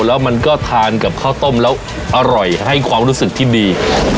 แล้วมันก็ทานกับข้าวต้มแล้วอร่อยให้ความรู้สึกที่ดี